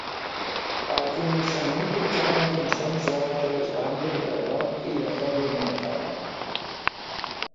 Al començament tocaven cançons d'altres bandes de rock i de heavy metal.